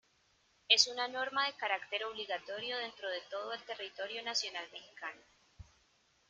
Es una norma de carácter obligatorio dentro de todo el territorio nacional mexicano.